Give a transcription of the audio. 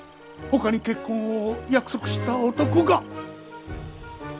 ほかに結婚を約束した男が。